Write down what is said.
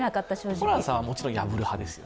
ホランさんはもちろん破る派ですよね？